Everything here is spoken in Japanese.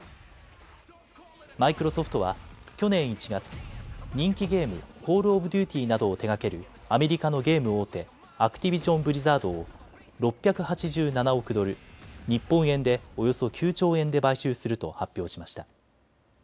マイクロソフトは去年１月、人気ゲーム、コール・オブ・デューティなどを手がけるアメリカのゲーム大手、アクティビジョン・ブリザードを６８７億ドル、日本円でおよそ９兆円で買収すると発表しました。